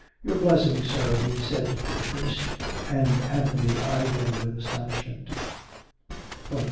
" Your blessing, sir," he said to the priest. And Anthony eyed him with astonishment.